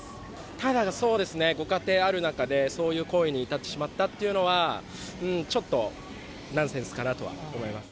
ただ、そうですね、ご家庭ある中で、そういう行為に至ってしまったっていうのは、ちょっとナンセンスかなとは思います。